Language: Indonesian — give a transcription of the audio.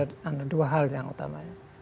yang pertama adalah hari pres nasional yang utamanya